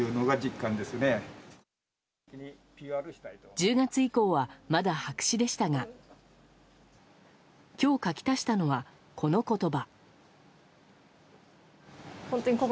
１０月以降はまだ白紙でしたが今日書き足したのはこの言葉。